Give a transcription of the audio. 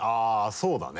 そうだね。